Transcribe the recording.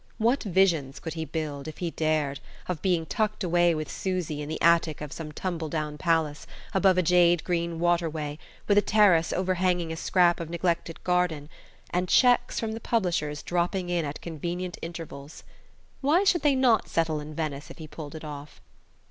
What visions he could build, if he dared, of being tucked away with Susy in the attic of some tumble down palace, above a jade green waterway, with a terrace overhanging a scrap of neglected garden and cheques from the publishers dropping in at convenient intervals! Why should they not settle in Venice if he pulled it off!